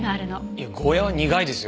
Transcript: いやゴーヤは苦いですよ？